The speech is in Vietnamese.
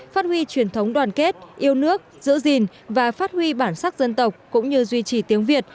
phát huy truyền thống đoàn kết yêu nước giữ gìn và phát huy bản sắc dân tộc cũng như duy trì tiếng việt